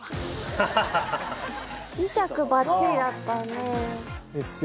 磁石ばっちりだったんで。